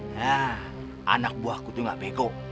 nah anak buahku tuh gak bego